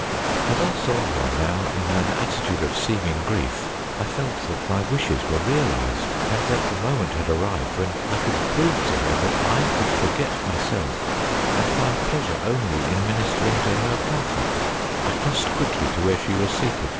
As I saw her now in an attitude of seeming grief, I felt that my wishes were realised, and that the moment had ar rived when I could prove to her that I could forget myself and find pleasure only in ministering to her comfort. I crossed quickly to where she was seated.